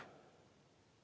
saya terima kasih